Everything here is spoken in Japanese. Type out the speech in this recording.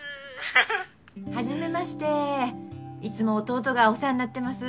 ハハッ！はじめましていつも弟がお世話になってます。